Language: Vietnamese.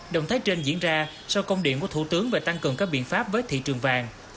động thái trên diễn ra sau công điện của thủ tướng về tăng cường các biện pháp với thị trường vàng